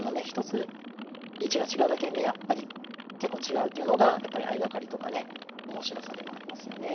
１つ位置が違うだけでね結構違うというのがやっぱり相掛かりとかね面白さでもありますよね。